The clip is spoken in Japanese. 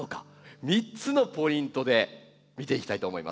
３つのポイントで見ていきたいと思います。